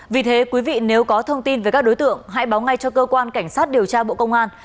vì thế quý vị nếu có thông tin về các đối tượng hãy báo ngay cho cơ quan cảnh sát điều tra bộ công an